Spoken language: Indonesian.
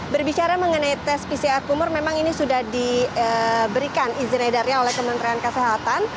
berbicara mengenai tes pcr kumur memang ini sudah diberikan izin edarnya oleh kementerian kesehatan